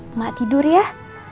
ema tidur yah